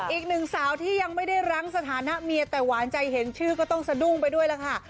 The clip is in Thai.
อีกหนึ่งสาวที่ยังไม่ได้รั้งสถานะเมียแต่หวานใจเห็นชื่อก็ต้องสะดุ้งไปด้วยล่ะค่ะ